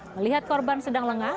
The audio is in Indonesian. melihat korban sedang lengah